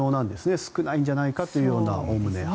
少ないんじゃないかというようなおおむね。